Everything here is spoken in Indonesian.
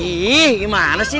ih gimana sih ini